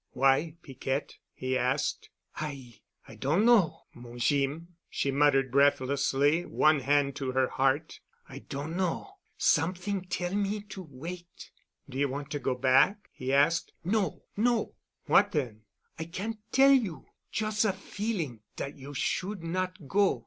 "Why, Piquette?" he asked. "I—I don' know, mon Jeem," she muttered breathlessly, one hand to her heart. "I don' know—somet'ing tell me to wait——" "Do you want to go back?" he asked. "No, no——" "What then——?" "I can't tell you. Jus' a feeling dat you should not go.